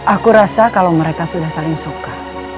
aku rasa kalau mereka sudah saling suka